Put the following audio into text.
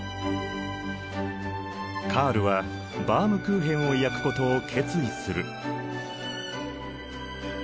カールはバウムクーヘンを焼くことを決意する。